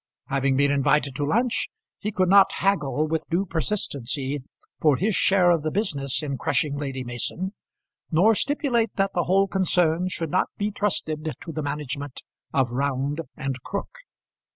Having been invited to lunch, he could not haggle with due persistency for his share of the business in crushing Lady Mason, nor stipulate that the whole concern should not be trusted to the management of Round and Crook.